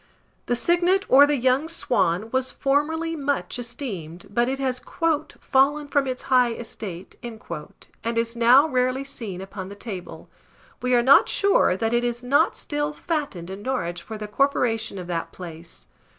The Cygnet, or the young Swan, was formerly much esteemed; but it has "fallen from its high estate," and is now rarely seen upon the table. We are not sure that it is not still fattened in Norwich for the corporation of that place.